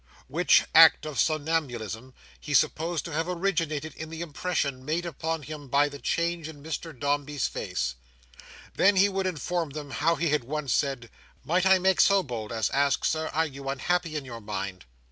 Which act of somnambulism he supposed to have originated in the impression made upon him by the change in Mr Dombey's face. Then would he inform them how he had once said, "Might I make so bold as ask, Sir, are you unhappy in your mind?"